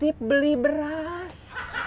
saya mau beli beras